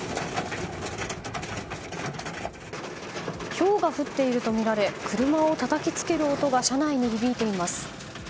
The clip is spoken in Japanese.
ひょうが降っているとみられ車をたたきつける音が車内に響いています。